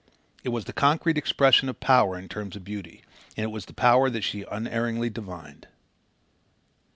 It was the concrete expression of power in terms of beauty, and it was the power that she unerringly divined.